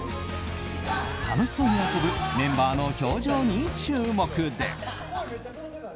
楽しそうに遊ぶメンバーの表情に注目です。